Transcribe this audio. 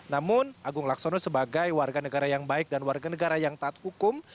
namun agung laksono sebagai warga negara yang baik dan warga negara yang taat hukum